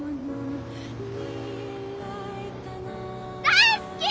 大好き！